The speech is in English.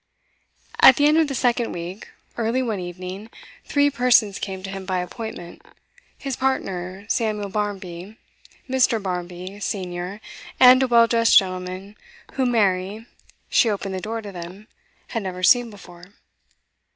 At the end of the second week, early one evening, three persons came to him by appointment: his partner Samuel Barmby, Mr. Barmby, senior, and a well dressed gentleman whom Mary she opened the door to them had never seen before.